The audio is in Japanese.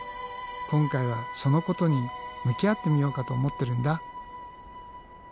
今回はそのことに向き合ってみようかと思ってるんだ。